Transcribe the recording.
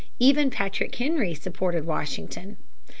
Even Patrick Henry supported Washington.